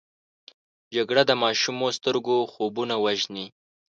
جګړه د ماشومو سترګو خوبونه وژني